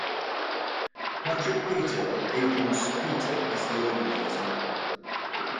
Patrick Peter of Agence Peter is the organiser.